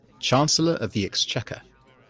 Chancellor of the Exchequer